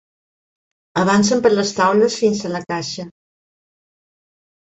Avancen per les taules fins a la caixa.